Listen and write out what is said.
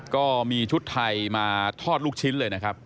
ก็มีชุดไทยมาทอดลูกชิ้นเลยนะครับ